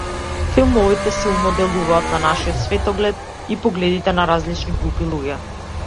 Филмовите силно делуваат на нашиот светоглед и погледите на различни групи луѓе.